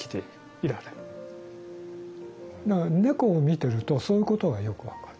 だから猫を見てるとそういうことがよく分かる。